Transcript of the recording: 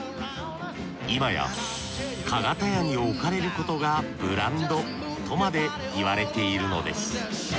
今やかがた屋に置かれることがブランドとまで言われているのです。